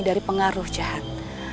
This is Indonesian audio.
dari pengaruh jahat